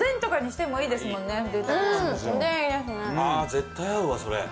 絶対合うわ、それ。